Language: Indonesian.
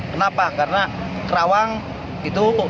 kenapa karena karawang itu